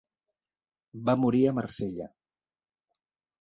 Va morir a Marsella.